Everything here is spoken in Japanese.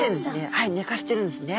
はいねかせてるんですね。